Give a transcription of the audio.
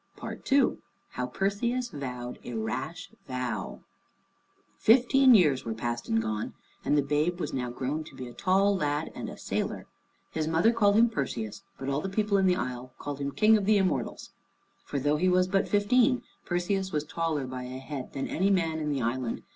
II HOW PERSEUS VOWED A RASH VOW Fifteen years were past and gone, and the babe was now grown to be a tall lad and a sailor. His mother called him Perseus, but all the people in the isle called him the King of the Immortals. For though he was but fifteen, Perseus was taller by a head than any man in the island.